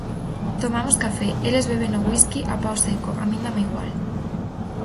Tomamos café, eles beben o güisqui a pao seco, a min dáme igual.